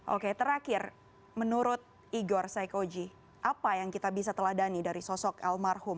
oke terakhir menurut igor saikoji apa yang kita bisa teladani dari sosok almarhum